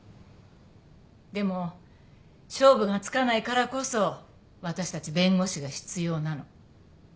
でも勝負がつかないからこそ私たち弁護士が必要なの。